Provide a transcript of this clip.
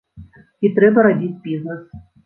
І трэба рабіць бізнэс.